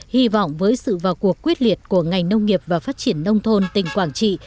hy vọng với sự vào cuộc quyết liệt của ngành nông nghiệp và phát triển nông thôn tỉnh quảng trị